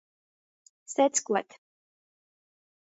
Seckuot.